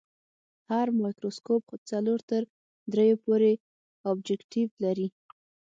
هر مایکروسکوپ څلور تر دریو پورې ابجکتیف لري.